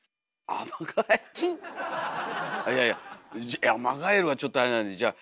いやいやアマガエルはちょっとあれなんでじゃあ